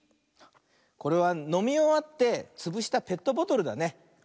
これはのみおわってつぶしたペットボトルだね。